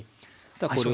これをね